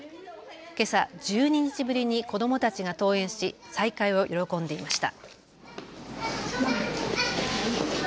けさ１２日ぶりに子どもたちが登園し、再会を喜んでいました。